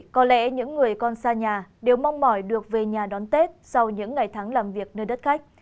có lẽ những người con xa nhà đều mong mỏi được về nhà đón tết sau những ngày tháng làm việc nơi đất khách